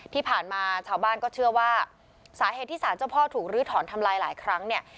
ที่ผ่านมาชาวบ้านก็เชื่อว่าสาเหตุที่สารเจ้าพ่อถูกลื้อถอนทำลายหลายครั้งเนี่ย